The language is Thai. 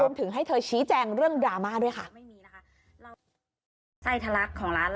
ถึงให้เธอชี้แจงเรื่องดราม่าด้วยค่ะ